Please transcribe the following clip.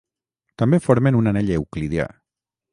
També formen un anell euclidià.